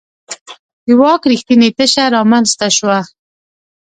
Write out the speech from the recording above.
د واک رښتینې تشه رامنځته شوه.